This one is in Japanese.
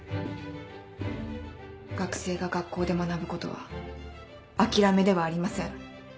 学生が学校で学ぶことは諦めではありません。